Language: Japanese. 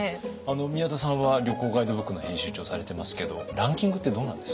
宮田さんは旅行ガイドブックの編集長をされてますけどランキングってどうなんですか？